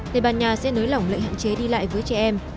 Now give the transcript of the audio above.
tây ban nha sẽ nới lỏng lệnh hạn chế đi lại với trẻ em